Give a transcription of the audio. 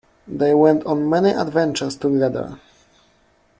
They went on many adventures together.